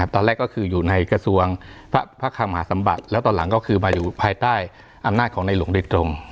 ตอนแรกก็อยู่ในกระส่วงพระคังหมาสัมบัติตอนหลังก็ไปอยู่ภายใต้อำนาจของในหลงด้วยตรง